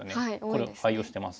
これを愛用してます。